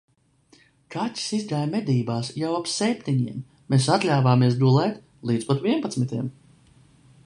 Kaķis izgāja medībās jau ap septiņiem, mēs atļāvāmies gulēt līdz pat vienpadsmitiem.